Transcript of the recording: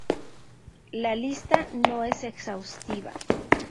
La lista no es exhaustiva.